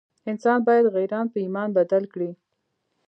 انسان باید غیران په ایمان بدل کړي.